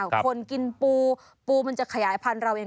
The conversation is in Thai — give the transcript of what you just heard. คนกินปูปูมันจะขยายพันธุ์เราเอง